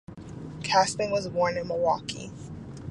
Kasten was born in Milwaukee.